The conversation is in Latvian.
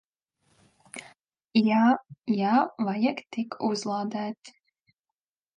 Jā. Jā. Vajag tik uzlādēt.